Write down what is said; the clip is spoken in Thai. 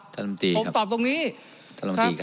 ผมตอบตรงนี้